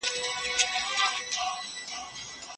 صلیبي جنګونه په همدې دوره کي پیښ سول.